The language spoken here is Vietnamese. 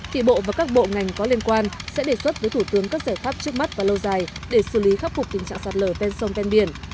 thì bộ và các bộ ngành có liên quan sẽ đề xuất với thủ tướng các giải pháp trước mắt và lâu dài để xử lý khắc phục tình trạng sạt lở ven sông ven biển